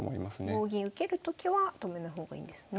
棒銀受けるときは止めない方がいいんですね。